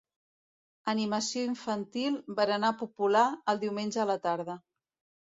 Animació infantil, berenar popular, el diumenge a la tarda.